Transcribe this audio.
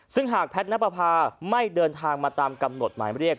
ซึ่งหากแพทย์นับประพาไม่เดินทางมาตามกำหนดหมายเรียก